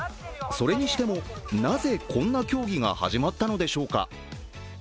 それにしても、なぜこんな競技が始まったのでしょうか。